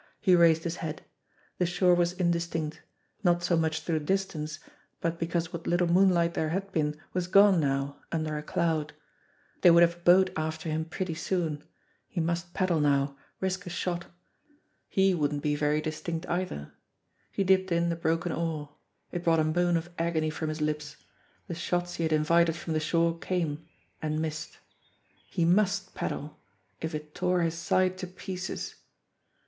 He raised his head. The shore was indis tinct ; not so much through distance, but because what little moonlight there had been was gone now under a cloud. They would have a boat after him pretty soon. He must paddle now risk a shot he wouldn't be very distinct, either. He dipped in the broken oar. It brought a moan of agony from his lips. The shots he had invited from the shore came i and missed. He must paddle if it tore his side to pieces.